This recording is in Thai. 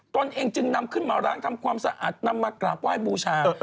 ตนเองจึงนำขึ้นมาร้างทำความสะอาดนำมากราบไหว้บูชา